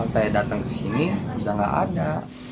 saya datang ke sini udah nggak ada